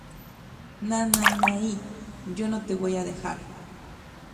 Nananai...yo no te voy a dejar!!